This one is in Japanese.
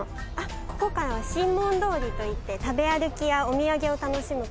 ここからは神門通りといって食べ歩きやお土産を楽しむ事ができます。